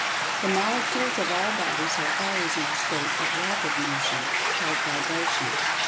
The Molecules of all bodies are always in a state of rapid Motion, called Vibration.